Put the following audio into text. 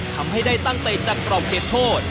ทำให้ได้ตั้งเตะจากกรอบเขตโทษ